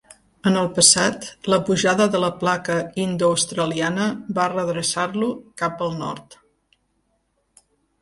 En el passat, la pujada de la placa indoaustraliana va readreçar-lo cap al nord.